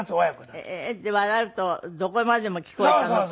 で笑うとどこまでも聞こえたの？